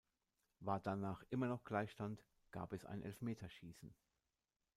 War danach immer noch Gleichstand, gab es ein Elfmeterschießen.